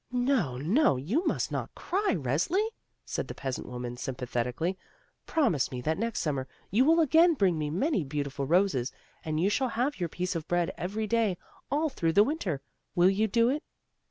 "No, no, you must not cry, Resli," said the peasant woman sympathetically. "Promise me that next Summer you will a;gain bring me many beautiful roses, and you shall have your piece of bread every day all through the Winter. Will you do it?"